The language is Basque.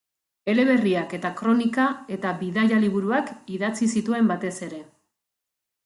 Eleberriak eta kronika- eta bidaia-liburuak idatzi zituen batez ere.